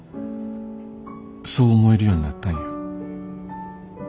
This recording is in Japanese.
そう思えるようになったんや。